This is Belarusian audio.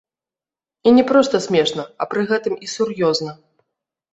І не проста смешна, а пры гэтым і сур'ёзна.